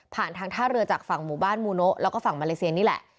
ทางท่าเรือจากฝั่งหมู่บ้านมูโนะแล้วก็ฝั่งมาเลเซียนี่แหละ